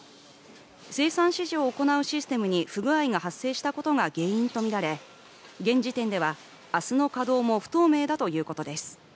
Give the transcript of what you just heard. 生産指示を行うシステムに不具合が発生したことが原因とみられ現時点では明日の稼働も不透明だということです。